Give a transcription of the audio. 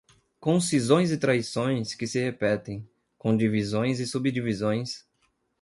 com cisões e traições que se repetem, com divisões e subdivisões